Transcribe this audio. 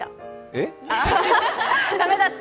えっ？